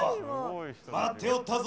待っておったぞ！